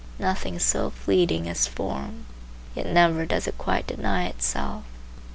Nothing is so fleeting as form; yet never does it quite deny itself.